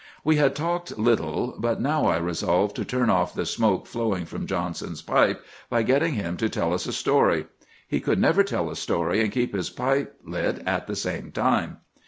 We had talked little, but now I resolved to turn off the smoke flowing from Johnson's pipe by getting him to tell us a story. He could never tell a story and keep his pipe lit at the same time.